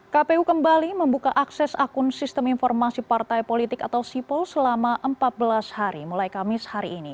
kpu kembali membuka akses akun sistem informasi partai politik atau sipol selama empat belas hari mulai kamis hari ini